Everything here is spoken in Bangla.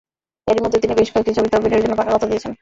এরই মধ্যে তিনি বেশ কয়েকটি ছবিতে অভিনয়ের জন্য পাকা কথা দিয়েছেন।